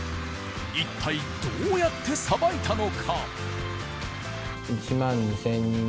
一体どうやってさばいたのか？